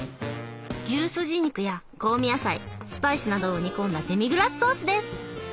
牛すじ肉や香味野菜スパイスなどを煮込んだデミグラスソースです。